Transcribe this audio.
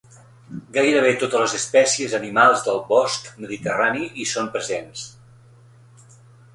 Gairebé totes les espècies animals del bosc mediterrani hi són presents.